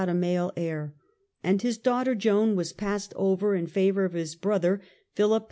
male heir, and his daughter Joan was passed over in ^^i^ i ^i*^ favour of his brother Philip V.